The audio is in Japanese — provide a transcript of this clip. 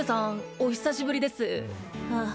お久しぶりですあっ